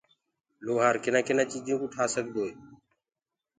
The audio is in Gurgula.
لوهآر ڪنآ ڪنآ چيجين ڪو ٺآ سگدوئي